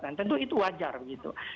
tentu itu wajar begitu